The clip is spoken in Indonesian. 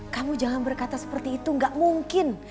kamu jangan berkata seperti itu gak mungkin